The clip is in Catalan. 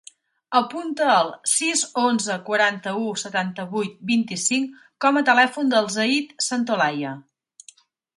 Apunta el sis, onze, quaranta-u, setanta-vuit, vint-i-cinc com a telèfon del Zayd Santolaya.